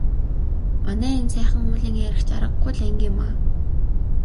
Манай энэ Сайхан уулын айраг ч аргагүй л анги юмаа.